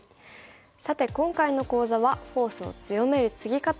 さて今回の講座はフォースを強めるツギ方を学びました。